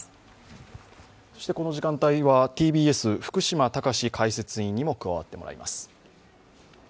そしてこの時間帯はＴＢＳ福島隆史解説委員にも加わってもらいます。